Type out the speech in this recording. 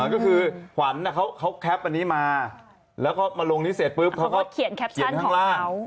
ก็คือขวัญเขาแคปอันนี้มาแล้วก็มาลงนี้เสร็จปุ๊บเขาก็เขียนแคปชั่นข้างล่าง